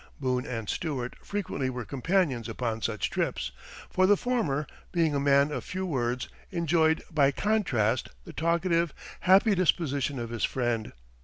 Boone and Stuart frequently were companions upon such trips; for the former, being a man of few words, enjoyed by contrast the talkative, happy disposition of his friend.